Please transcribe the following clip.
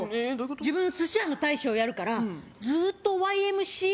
自分寿司屋の大将やるからずっと「Ｙ．Ｍ．Ｃ．Ａ．」